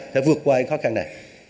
sẽ vượt qua những khó khăn này